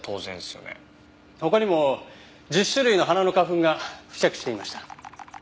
他にも１０種類の花の花粉が付着していました。